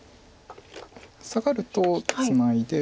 サガるとツナいで。